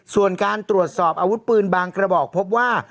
ส่วนการตรวจสอบอาวุธปืนบางกระบอกพบว่า